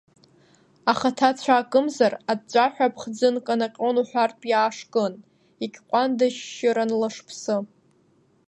Ахаҭа цәаакымзар, аҵәҵәаҳәа аԥхӡы нканаҟьон уҳәартә иаашкын, иагьҟәандашьшьыран Лашԥсы.